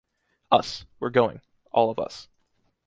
Us. We’re going. All of us.